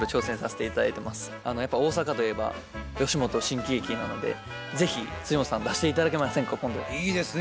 やっぱ大阪といえば吉本新喜劇なので是非本さん出して頂けませんか今いいですね